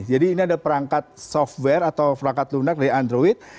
jadi ini ada perangkat software atau perangkat lunak dari android